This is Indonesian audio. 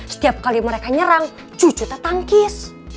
setiap kali mereka nyerang cucu tertangkis